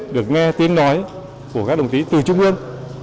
được nghe tiếng nói của các đồng chí từ trung ương